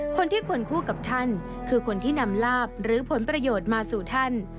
คนที่ควรคู่กับท่านคือคนที่นำลาบหรือผลประโยชน์มาสู่ท่าน